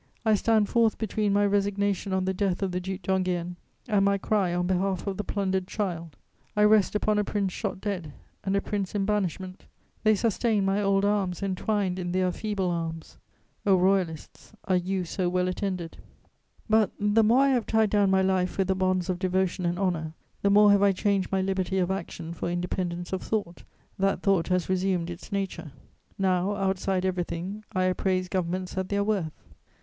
I stand forth between my resignation on the death of the Duc d'Enghien and my cry on behalf of the plundered child; I rest upon a prince shot dead and a prince in banishment; they sustain my old arms entwined in their feeble arms: O Royalists, are you so well attended? [Sidenote: My sacrifices.] But, the more I have tied down my life with the bonds of devotion and honour, the more have I changed my liberty of action for independence of thought; that thought has resumed its nature. Now, outside everything, I appraise governments at their worth.